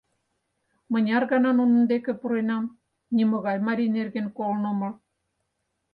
Мыняр гана нунын деке пуренам, нимогай марий нерген колын омыл».